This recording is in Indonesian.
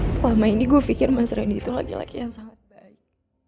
selama ini gue pikir mas rendy itu laki laki yang sangat baik